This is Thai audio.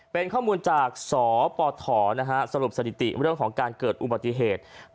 เป็นข้อมูลจากสปฐสรุปสถิติเรื่องของการเกิดอุบัติเหตุ